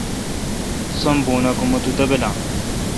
سم بون اں کہ مہ تو دبلام